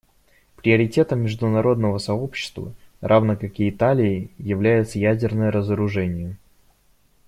Приоритетом международного сообщества, равно как и Италии, является ядерное разоружение.